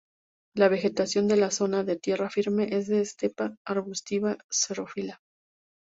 La vegetación de la zona de tierra firme es de estepa arbustiva xerófila.